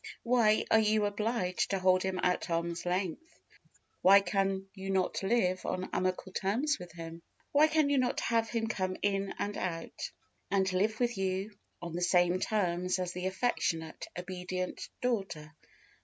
Why are you obliged to hold him at arm's length? Why can you not live on amicable terms with him? Why can you not have him come in and out, and live with you on the same terms as the affectionate, obedient daughter?